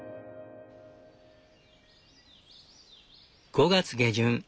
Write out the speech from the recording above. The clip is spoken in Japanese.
５月下旬。